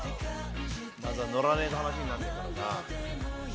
まずは乗らねえと話にならねぇからな。